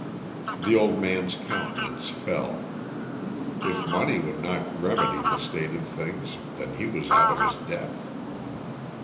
The old man's countenance fell. If money would not remedy the state of things, then he was out of his depth.